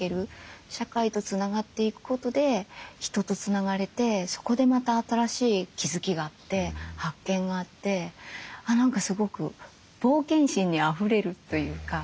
社会とつながっていくことで人とつながれてそこでまた新しい気付きがあって発見があって何かすごく冒険心にあふれるというか。